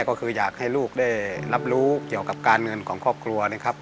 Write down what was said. ก็คืออยากให้ลูกได้รับรู้เกี่ยวกับการเงินของครอบครัวนะครับ